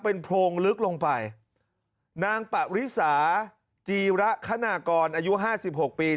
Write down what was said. เป็นโพรงลึกลงไปนางปะริสาจีระคณากรอายุห้าสิบหกปี